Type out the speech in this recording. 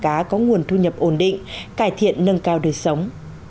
ở các cảng cá có nguồn thu nhập ổn định cải thiện nâng cao đời sống